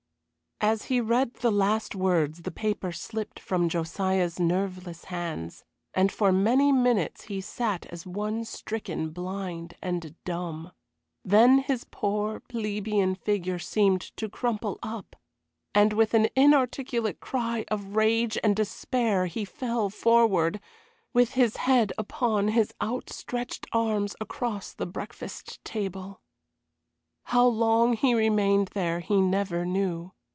As he read the last words the paper slipped from Josiah's nerveless hands, and for many minutes he sat as one stricken blind and dumb. Then his poor, plebeian figure seemed to crumple up, and with an inarticulate cry of rage and despair he fell forward, with his head upon his out stretched arms across the breakfast table. How long he remained there he never knew.